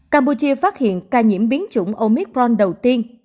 campuchia phát hiện ca nhiễm biến chủng omicron đầu tiên